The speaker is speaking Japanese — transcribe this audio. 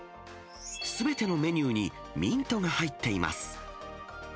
すべてのメニューにミントが入っています。